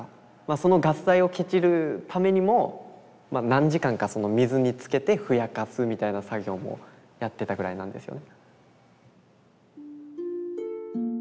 そのガス代をケチるためにも何時間か水につけてふやかすみたいな作業もやってたぐらいなんですよね。